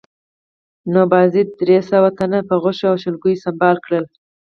نو بایزید درې سوه تنه په غشو او شلګیو سنبال کړل